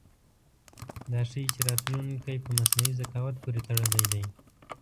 دا ښيي چې راتلونکی په مصنوعي ذکاوت پورې تړلی دی.